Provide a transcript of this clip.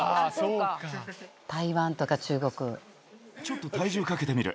ちょっと体重かけてみる。